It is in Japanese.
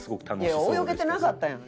いや泳げてなかったやん。